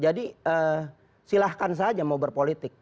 jadi silahkan saja mau berpolitik